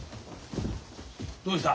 どうした？